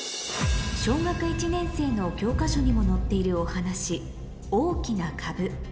小学１年生の教科書にも載っているお話『おおきなかぶ』